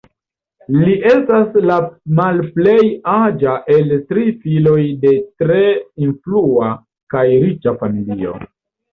Li estas la malplej aĝa el tri filoj de tre influa kaj riĉa familio.